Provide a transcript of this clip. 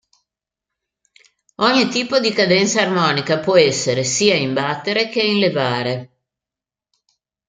Ogni tipo di cadenza armonica può essere sia in battere, che in levare.